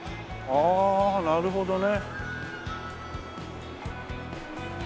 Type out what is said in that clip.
ああなるほどね。